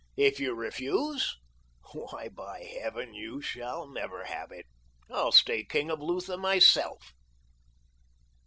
If you refuse, why by Heaven you shall never have it. I'll stay king of Lutha myself."